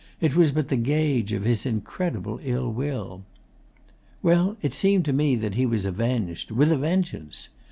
It was but the gauge of his incredible ill will. 'Well, it seemed to me that he was avenged with a vengeance.